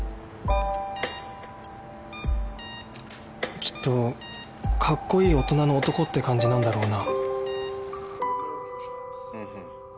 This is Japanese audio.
きっとかっこいい大人の男って感じなんだろうな「」「」「」「」「」